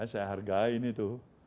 saya hargai ini tuh